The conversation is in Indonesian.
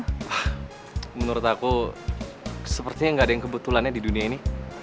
wah menurut aku sepertinya gak ada yang kebetulannya di dunia ini